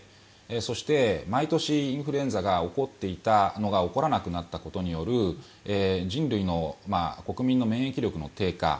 そして、毎年インフルエンザが起こっていたのが起こらなくなったことによる人類の国民の免疫力の低下。